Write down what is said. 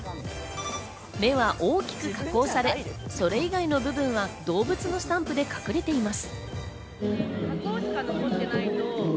目は大きく加工され、それ以外の部分は動物のスタンプで隠れています。